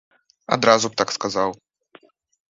Адразу б так сказаў.